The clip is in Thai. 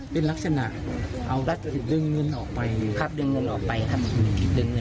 เป็นลักษณะเอาทรัพย์ดึงเงินออกไว้คาดดึงเงินออกไปออกไปถูก